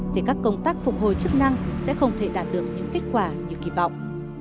thì các công tác phục hồi chức năng sẽ không thể đạt được những kết quả như kỳ vọng